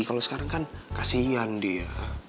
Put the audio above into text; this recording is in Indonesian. kalau sekarang kan kasian dia